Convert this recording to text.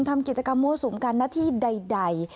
ทำกิจกรรมมั่วสุมกันหน้าที่ใด